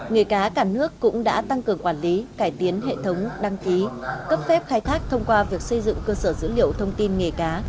nghề cá cả nước cũng đã tăng cường quản lý cải tiến hệ thống đăng ký cấp phép khai thác thông qua việc xây dựng cơ sở dữ liệu thông tin nghề cá